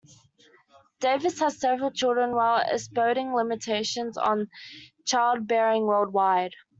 Davis had several children while espousing limitations on childbearing worldwide.